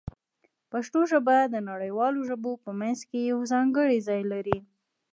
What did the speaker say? پښتو ژبه د نړیوالو ژبو په منځ کې یو ځانګړی ځای لري.